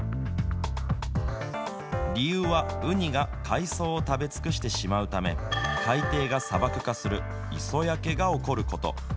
理由は、ウニが海藻を食べ尽くしてしまうため、海底が砂漠化する磯焼けが起こること。